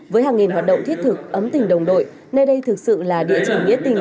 với hàng nghìn hoạt động thiết thực ấm tình đồng đội nơi đây thực sự là địa chỉ nghĩa tình